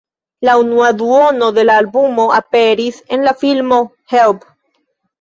La unua duono de la albumo aperis en la filmo "Help!